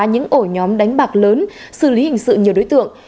những ổ nhóm đánh bạc lớn xử lý hình sự nhiều đối tượng